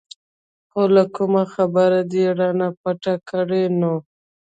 خو که کومه خبره دې رانه پټه کړه نو.